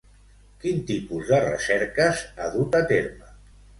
Quin tipus de recerques ha dut a terme?